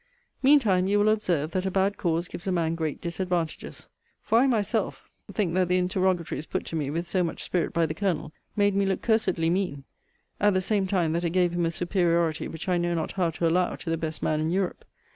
Mean time you will observe that a bad cause gives a man great disadvantages: for I myself think that the interrogatories put to me with so much spirit by the Colonel made me look cursedly mean; at the same time that it gave him a superiority which I know not how to allow to the best man in Europe.